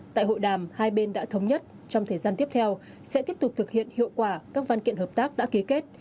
tại hội đàm hai bên đã thống nhất trong thời gian tiếp theo sẽ tiếp tục thực hiện hiệu quả các văn kiện hợp tác đã ký kết